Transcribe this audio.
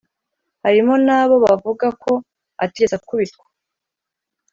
harimo n'abo bavuga ko atigeze akubitwa